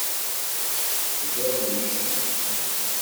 Sgermec.